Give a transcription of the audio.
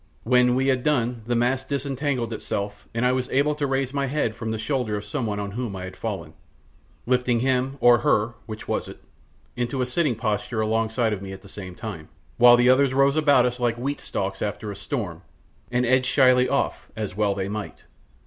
When we had done the mass disentangled itself and I was able to raise my head from the shoulder of someone on whom I had fallen, lifting him, or her which was it? into a sitting posture alongside of me at the same time, while the others rose about us like wheat stalks after a storm, and edged shyly off, as well as they might.